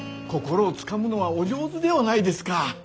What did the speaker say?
心をつかむのはお上手ではないですか。